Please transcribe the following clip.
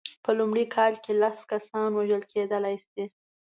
په لومړۍ کال کې لس کسان وژل کېدلای شي.